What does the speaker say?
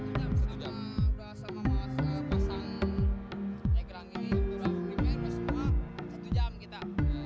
kita sudah asal memasang egrang ini kita sudah prepare semua satu jam kita